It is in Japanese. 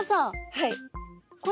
はい。